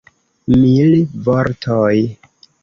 Mil vortoj!